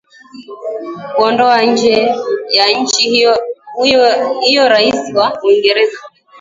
kuondoa nje ya nchi hiyo raia wa Uingereza